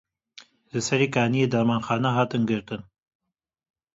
Li Serê Kaniyê dermanxane hatin girtin.